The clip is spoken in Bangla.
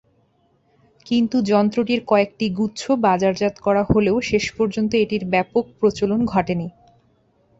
কিন্তু যন্ত্রটির কয়েকটি গুচ্ছ বাজারজাত করা হলেও শেষ পর্যন্ত এটির ব্যাপক প্রচলন ঘটেনি।